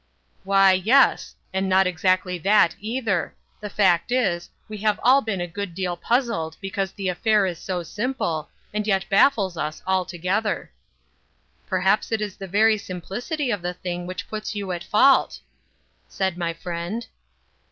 "Why, yes; and not exactly that, either. The fact is, we have all been a good deal puzzled because the affair is so simple, and yet baffles us altogether." "Perhaps it is the very simplicity of the thing which puts you at fault," said my friend.